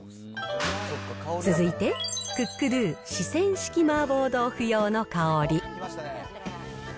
続いて、クックドゥ四川式麻婆豆腐用の香り。